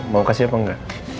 mau kasih apa engga